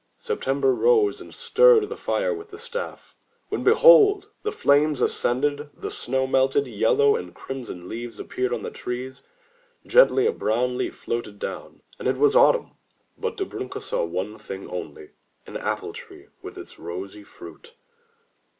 September rose and stirred the fire with the staff, when behold! the flames ascended, the snow melted, yellow and crimson leaves appeared on the trees, gently a brown leaf floated down — it was autumn. But Dobrunka saw one thing only, an apple tree with its rosy fruit.